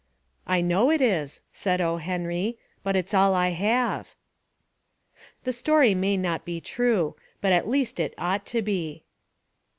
"I know It is," said O. Henry, "but it's all I have." The story may not be true. But at least it ought to be.